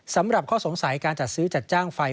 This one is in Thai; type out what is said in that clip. สำหรับข้อสงสัยการจัดซื้อจัดจ้างไฟ